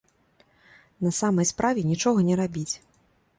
На самай справе, нічога не рабіць.